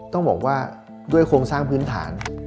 ต้องบอกว่าด้วยโครงสร้างพื้นฐาน